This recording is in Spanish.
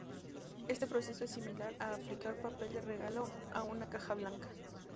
Este proceso es similar a aplicar papel de regalo a una caja blanca.